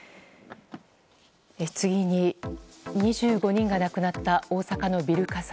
次に、２５人が亡くなった大阪のビル火災。